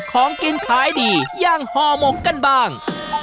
ของกินขายดีอย่างห่อหมกกันบ้าง